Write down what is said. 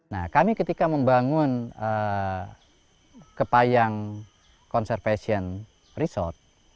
nah kami ketika membangun kepayang conservation resort